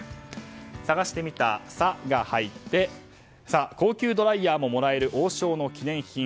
探してみたの「サ」が入って高級ドライヤーももらえる王将の記念品。